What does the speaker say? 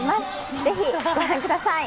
ぜひご覧ください。